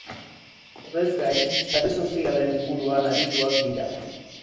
Horrez gain, sare sozialen inguruan arituo dira.